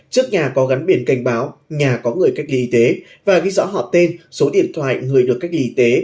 trước nhà có gắn biển cảnh báo nhà có người cách ly y tế và ghi rõ họ tên số điện thoại người được cách ly y tế